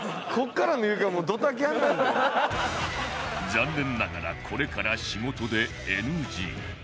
残念ながらこれから仕事で ＮＧ